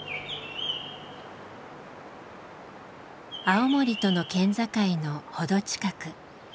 青森との県境の程近く。